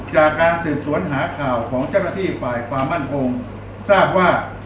จากการสืบสวนหาข่าวของเจ้าหน้าที่ฝ่ายความมั่นคงทราบว่า